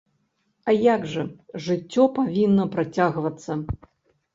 А як жа, жыццё павінна працягвацца.